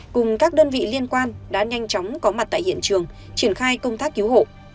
cùng các đơn vị liên quan đã nhanh chóng có mặt tại hiện trường triển khai công tác cứu hộ